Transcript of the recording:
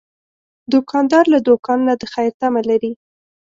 دوکاندار له دوکان نه د خیر تمه لري.